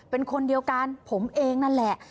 เป็นคนเดียวกันผมเองนั่นแหละ